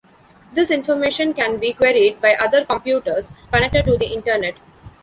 This information can be queried by other computers connected to the Internet.